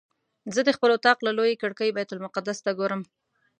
زه د خپل اطاق له لویې کړکۍ بیت المقدس ته ګورم.